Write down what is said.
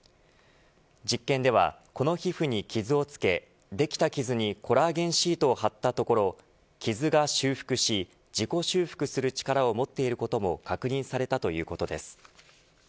実験ではこの皮膚に傷をつけできた傷にコラーゲンシートを張ったところ傷が修復し自己修復する力を持っていることも確認されたということです。